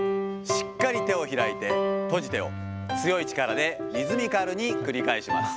しっかり手を開いて、閉じてを、強い力でリズミカルに繰り返します。